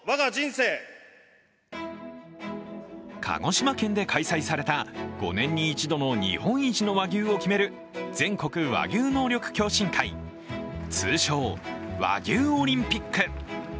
鹿児島県で開催された５年に一度の日本一の和牛を決める全国和牛能力共進会通称・和牛オリンピック。